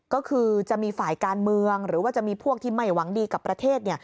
ก็คือจะมีฝ่ายการเมืองหรือว่าจะมีพวกที่ไม่หวังดีกับประเทศ